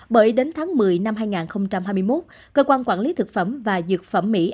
bởi đến tháng một mươi năm hai nghìn hai mươi một cơ quan quản lý thực phẩm và dược phẩm mỹ